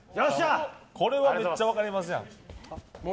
これはめっちゃ分かりますやん。